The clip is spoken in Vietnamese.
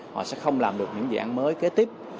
họ sẽ không làm được những dự án mới kế tiếp